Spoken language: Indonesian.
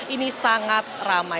ini sangat ramai